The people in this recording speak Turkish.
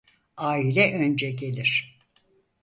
Aile önce gelir.